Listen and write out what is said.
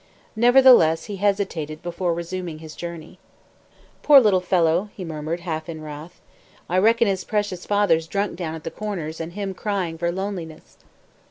Nevertheless he hesitated before resuming his journey. "Poor little fellow!" he muttered, half in wrath. "I reckon his precious father's drunk down at 'the Corners,' and him crying for loneliness!"